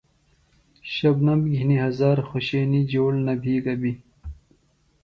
شبنمؔ گھِنہ ہزار خوشینیۡ جوڑ نہ بھی گبیۡ۔